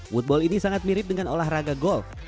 woodball ini sangat mirip dengan olahraga golf